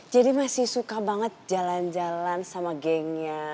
jadi masih suka banget jalan jalan sama gengnya